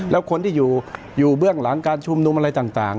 แล้วคนที่อยู่เบื้องหลังการชุมนุมอะไรต่าง